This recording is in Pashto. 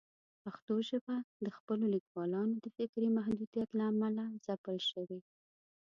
پښتو ژبه د خپلو لیکوالانو د فکري محدودیت له امله ځپل شوې.